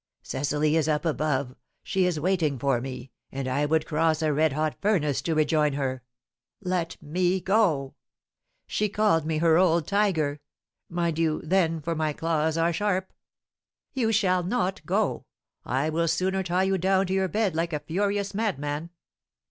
"Cecily is up above; she is waiting for me, and I would cross a red hot furnace to rejoin her. Let me go! She called me her old tiger; mind you, then, for my claws are sharp!" "You shall not go! I will sooner tie you down to your bed like a furious madman!"